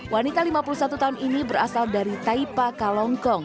wanita lima puluh satu tahun ini berasal dari taipa kalongkong